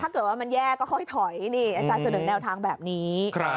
ถ้าเกิดว่ามันแย่ก็ค่อยถอยนี่อาจารย์เสนอแนวทางแบบนี้